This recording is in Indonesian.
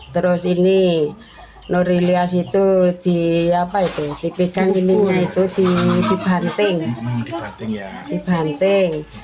terus ini norilyas itu dipegang dibanting